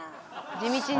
地道に。